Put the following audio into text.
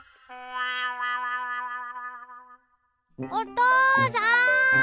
おとうさん！